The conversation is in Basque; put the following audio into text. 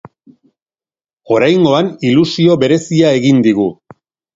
Oraingoan, ilusio berezia egin digu.